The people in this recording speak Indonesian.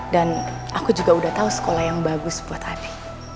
dan aku juga udah tau sekolah yang bagus buat abi